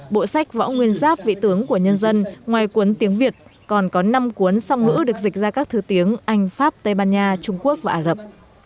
bộ sách võ nguyên giáp vị tướng của nhân dân ngoài cuốn tiếng việt còn có năm cuốn song ngữ được dịch ra các thứ tiếng anh pháp tây ban nha trung quốc và ả rập